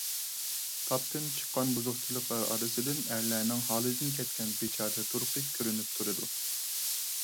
تاپتىن چىققان بۇزۇقچىلىقلار ئارىسىدىن ئەرلەرنىڭ ھالىدىن كەتكەن بىچارە تۇرقى كۆرۈنۈپ تۇرىدۇ.